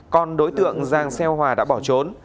còn đối tượng giang xeo hòa đã bỏ trốn